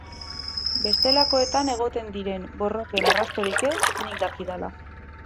Bestelakoetan egoten diren borroken arrastorik ez, nik dakidala.